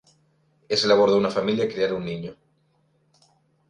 Es labor de una familia criar a un niño.